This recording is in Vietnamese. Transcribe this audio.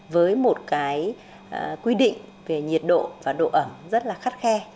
với một quy định về nhiệt độ và độ ẩm rất khắt khe